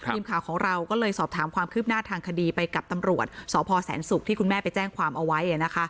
ทีมข่าวของเราก็เลยสอบถามความคืบหน้าทางคดีไปกับตำรวจสพแสนศุกร์ที่คุณแม่ไปแจ้งความเอาไว้